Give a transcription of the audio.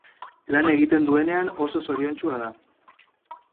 Lan egiten duenean oso zoriontsua da.